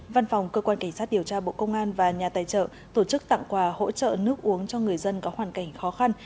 văn phòng cơ quan cảnh sát điều tra bộ công an và nhà tài trợ tổ chức tặng quà hỗ trợ nước uống cho người dân có hoàn cảnh khó khăn